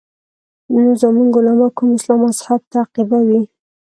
نو زموږ علما کوم اسلام او مذهب تعقیبوي.